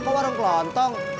kok warung kelontong